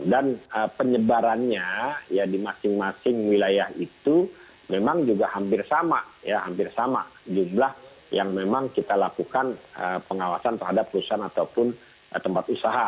penyebarannya ya di masing masing wilayah itu memang juga hampir sama ya hampir sama jumlah yang memang kita lakukan pengawasan terhadap perusahaan ataupun tempat usaha